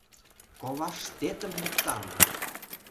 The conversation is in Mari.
Коваштетым ньыктам!..